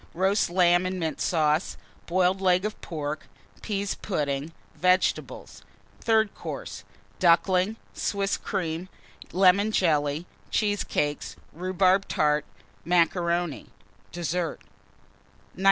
Roast Lamb and Mint Sauce. Boiled Leg of Pork. Pease Pudding. Vegetables. THIRD COURSE. Ducklings. Swiss Cream. Lemon Jelly. Cheesecakes. Rhubarb Tart. Macaroni. Dessert. 1937.